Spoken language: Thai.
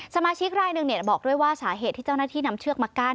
สมาชิกรายหนึ่งบอกด้วยว่าสาเหตุที่เจ้าหน้าที่นำเชือกมากั้น